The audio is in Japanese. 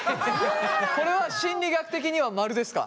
これは心理学的には「〇」ですか？